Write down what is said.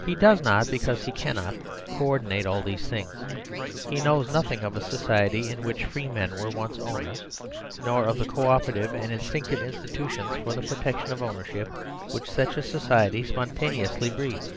He does not, because he cannot, co ordinate all these things. He knows nothing of a society in which free men were once owners, nor of the co operative and instinctive institutions for the protection of own 132 MAKING FOR SERVILE STATE ership which such a society spontaneously breeds.